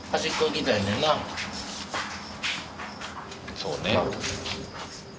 そうね。